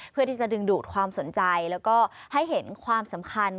เพื่อที่จะดึงดูดความสนใจแล้วก็ให้เห็นความสำคัญ